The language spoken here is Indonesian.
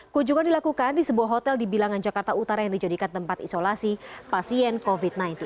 kunjungan dilakukan di sebuah hotel di bilangan jakarta utara yang dijadikan tempat isolasi pasien covid sembilan belas